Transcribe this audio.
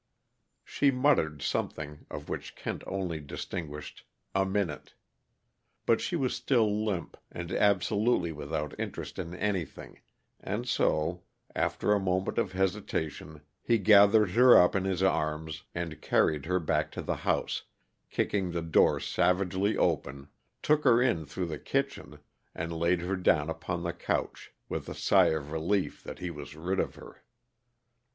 She muttered something, of which Kent only distinguished "a minute." But she was still limp, and absolutely without interest in anything, and so, after a moment of hesitation, he gathered her up in his arms and carried her back to the house, kicked the door savagely open, took her in through the kitchen, and laid her down upon the couch, with a sigh of relief that he was rid of her.